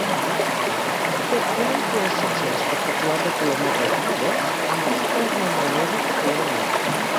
Té una inflorescència espectacular de color marró vermellós, amb bràctees membranoses de color vermell.